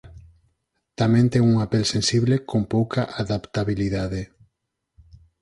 Tamén ten unha pel sensible con pouca adaptabilidade.